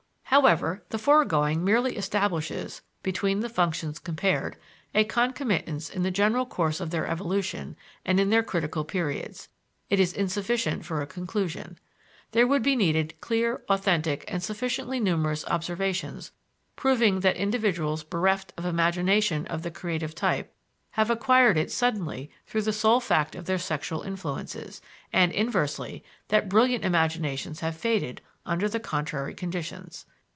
However, the foregoing merely establishes, between the functions compared, a concomitance in the general course of their evolution and in their critical periods; it is insufficient for a conclusion. There would be needed clear, authentic and sufficiently numerous observations proving that individuals bereft of imagination of the creative type have acquired it suddenly through the sole fact of their sexual influences, and, inversely, that brilliant imaginations have faded under the contrary conditions.